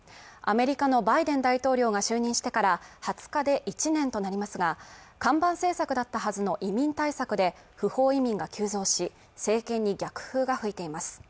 アメリカのバイデン大統領が就任してから２０日で１年となりますが看板政策だったはずの移民対策で不法移民が急増し政権に逆風が吹いています